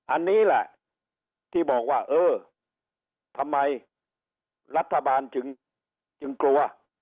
อันนี้แหละที่บอกว่าเออทำไมรัฐบาลจึงกลัว